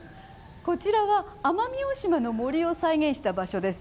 こちらは、奄美大島の森を再現した場所です。